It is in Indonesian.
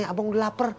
abang udah lapar